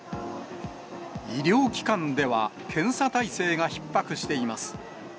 医療機関では検査体制がひっ迫しています。